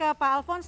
kita ke pak alfons